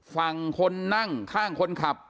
ฝั่งคนนั่งข้างคนขับ